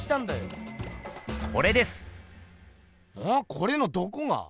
これのどこが？